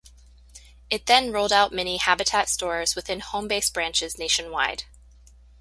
It then rolled out mini Habitat stores within Homebase branches nationwide.